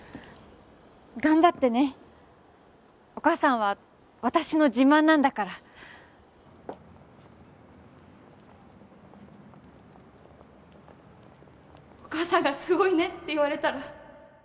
頑張ってねお母さんは私の自慢なんだからお母さんが「すごいね」って言われたら